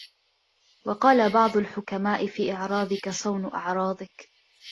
وَقَالَ بَعْضُ الْحُكَمَاءِ فِي إعْرَاضِك صَوْنُ أَعْرَاضِك